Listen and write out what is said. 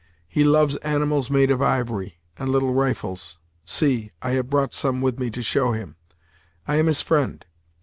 He loves animals made of ivory, and little rifles. See; I have brought some with me to show him. I am his friend.